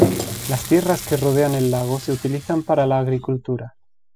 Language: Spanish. Las tierras que rodean el lago se utilizan para la agricultura.